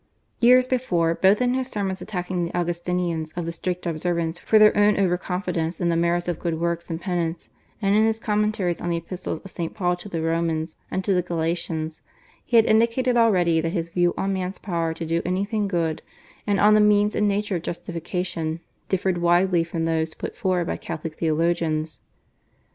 Years before, both in his sermons attacking the Augustinians of the strict observance for their over confidence in the merits of good works and penance, and in his commentaries on the Epistles of St. Paul to the Romans and to the Galatians, he had indicated already that his views on man's power to do anything good, and on the means and nature of justification differed widely from those put forward by Catholic theologians.